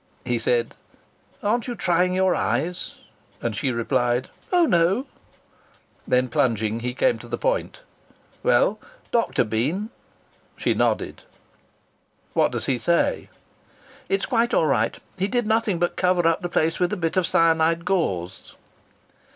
He said: "Aren't you trying your eyes?" And she replied: "Oh, no!" Then, plunging, he came to the point: "Well, doctor been?" She nodded. "What does he say?" "It's quite all right. He did nothing but cover up the place with a bit of cyanide gauze."